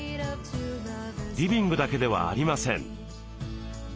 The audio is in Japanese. リビングだけではありません。